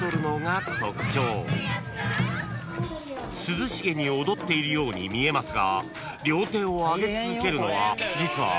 ［涼しげに踊っているように見えますが両手を上げ続けるのは実はかなり大変］